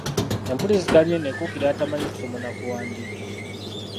Empuliziganya eno ekugira atamanyi kusoma na kuwandiika.